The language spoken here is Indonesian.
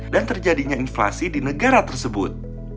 dan terjadinya inflasi di negara tersebut